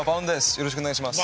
よろしくお願いします。